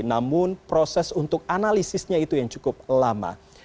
namun proses untuk analisisnya itu yang cukup lama